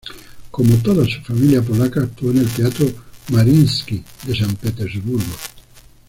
Como toda su familia polaca, actuó en el Teatro Mariinski de San Petersburgo.